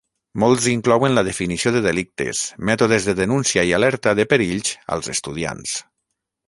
Molts inclouen la definició de delictes, mètodes de denúncia i alerta de perills als estudiants.